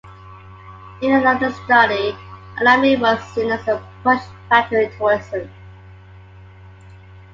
In another study, anomie was seen as a "push factor" in tourism.